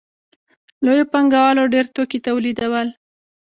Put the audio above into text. لویو پانګوالو ډېر توکي تولیدول